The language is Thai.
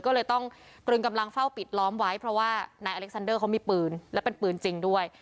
ก็เลยต้องตรึงกำลังเฝ้าปิดล้อมไว้เพราะว่านายอเล็กซันเดอร์เขามีปืนและเป็นปืนจริงด้วย